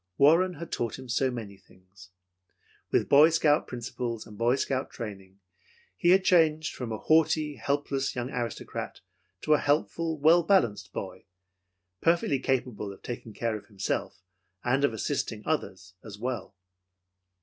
Warren had taught him so many things. With Boy Scout principles and Boy Scout training, he had changed from a haughty, helpless young aristocrat to a helpful, well balanced boy, perfectly capable of taking care of himself and of assisting others as well.